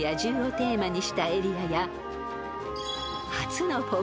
［テーマにしたエリアや］